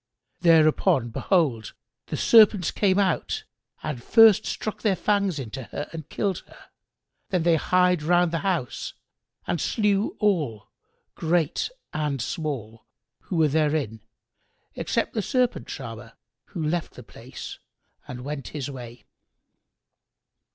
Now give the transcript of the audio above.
Thereupon behold, the serpents came out and first struck their fangs into her and killed her; then they hied round about the house and slew all, great and small, who were therein; except the Serpent charmer, who left the place and went his way.